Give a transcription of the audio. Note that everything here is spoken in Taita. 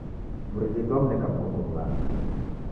Mrighiti wamneka mkongo w'ughanga.